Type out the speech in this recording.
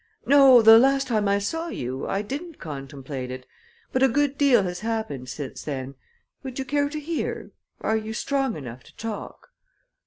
"No; the last time I saw you, I didn't contemplate it, but a good deal has happened since then. Would you care to hear? Are you strong enough to talk?"